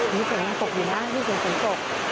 มีเสี่ยงมันตกอยู่นะมีเสี่ยงมันตก